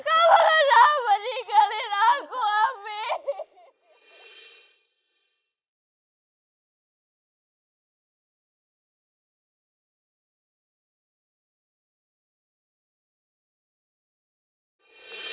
kamu kenapa tinggalin aku amin